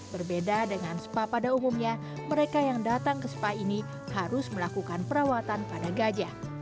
berbeda dengan spa pada umumnya mereka yang datang ke spa ini harus melakukan perawatan pada gajah